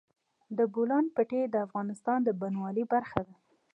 د بولان پټي د افغانستان د بڼوالۍ برخه ده.